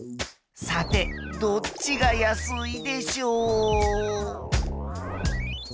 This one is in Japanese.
さてどっちが安いでしょう？